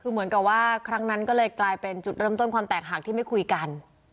คือเหมือนกับว่าครั้งนั้นก็เลยกลายเป็นจุดเริ่มต้นความแตกหักที่ไม่คุยกัน